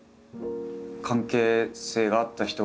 関係性があった人がいたのか。